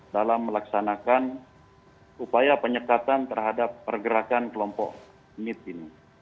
dalam melaksanakan upaya penyekatan terhadap pergerakan kelompok mit ini